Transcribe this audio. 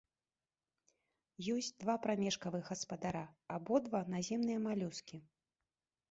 Ёсць два прамежкавых гаспадара, абодва наземныя малюскі.